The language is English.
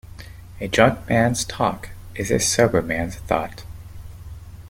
A drunk man's talk is a sober man's thought.